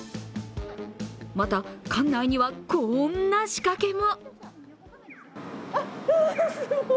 また、館内にはこんな仕掛けも。